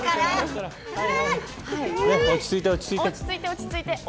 落ち着いて、落ち着いて。